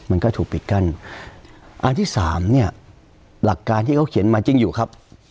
อันที่สามหลักการที่เขาเขียนมาจริงอยู่ครับ